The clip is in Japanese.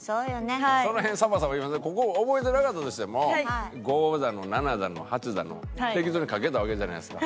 その辺サバサバ言わんでここ覚えてなかったとしても５だの７だの８だの適当に書けたわけじゃないですか。